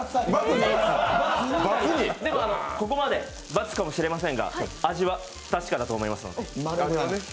でも、ここまで×かもしれませんが、味は確かですので。